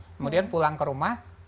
kemudian pulang ke rumah